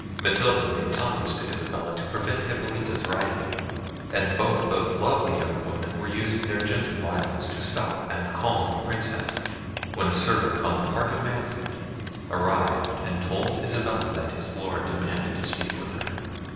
Matilda made signs to Isabella to prevent Hippolita's rising; and both those lovely young women were using their gentle violence to stop and calm the Princess, when a servant, on the part of Manfred, arrived and told Isabella that his Lord demanded to speak with her.